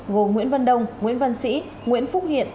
gồm nguyễn văn đông nguyễn văn sĩ nguyễn phúc hiện